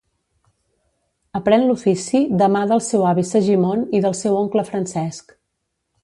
Aprèn l’ofici de mà del seu avi Segimon i del seu oncle Francesc.